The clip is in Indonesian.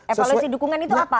evaluasi dukungan itu apa